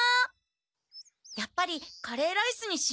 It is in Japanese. やっぱりカレーライスにしよう。